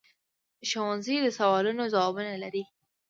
ښوونځی د سوالونو ځوابونه لري